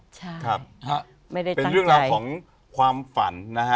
ใช่ไม่ได้ตั้งใจเป็นเรื่องราวของความฝันนะฮะ